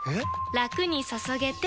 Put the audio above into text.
ラクに注げてペコ！